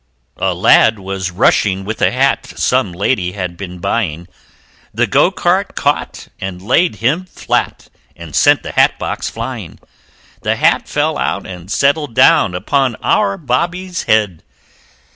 A Lad was rushing with a Hat Some Lady had been buying The Go cart caught and laid him flat, And sent the hat box flying The Hat fell out and settled down Upon our Bobby's head.